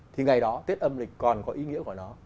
thì ngày đó tết âm lịch còn có ý nghĩa của nó